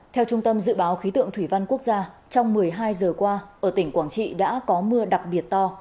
theo trung tâm dự báo khí tượng thủy văn quốc gia trong một mươi hai giờ qua ở tỉnh quảng trị đã có mưa đặc biệt to